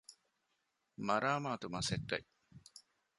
މަރާމާތު މަސައްކަތް